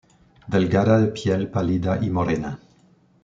Delgada, de piel pálida y morena.